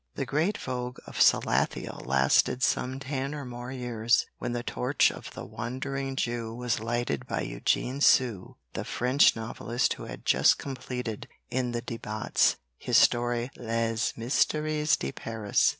The great vogue of Salathiel lasted some ten or more years, when the torch of the Wandering Jew was lighted by Eugene Sue the French novelist who had just completed in the Débats his story "Les Mystères de Paris."